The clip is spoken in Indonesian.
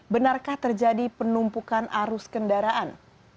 benarkah terjadi penumpukan arus kendaraan